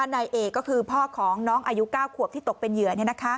นายเอกก็คือพ่อของน้องอายุ๙ขวบที่ตกเป็นเหยื่อ